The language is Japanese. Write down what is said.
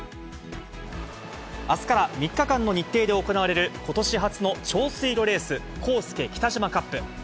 あすから３日間の日程で行われることし初の長水路レース、コースケ・キタジマカップ。